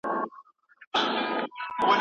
چي یې وکتل پر کټ باندي څوک نه و